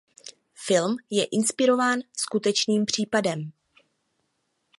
Film je inspirován skutečným případem.